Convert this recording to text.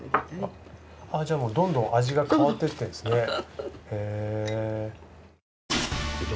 じゃあもうどんどん味が変わってってるんですね。